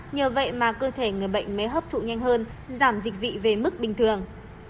nhờ vậy mà cơ thể người bệnh mới hấp thụ nhanh hơn giảm dịch vị về mức bình thường